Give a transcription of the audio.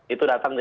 itu datang ya